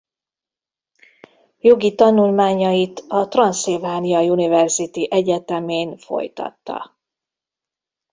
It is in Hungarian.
Jogi tanulmányait a Transylvania University egyetemén folytatta.